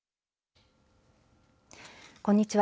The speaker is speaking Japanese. こんにちは。